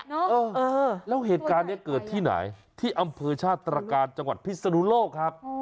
เออแล้วเหตุการณ์นี้เกิดที่ไหนที่อำเภอชาติตรการจังหวัดพิศนุโลกครับ